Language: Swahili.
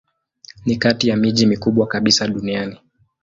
Ni kati ya miji mikubwa kabisa duniani.